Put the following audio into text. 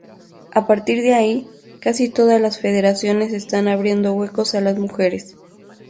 A partir de ahí, casi todas las federaciones están abriendo huecos a las mujeres.